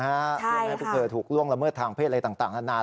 เพื่อไม่ให้พวกเธอถูกล่วงละเมิดทางเพศอะไรต่างนาน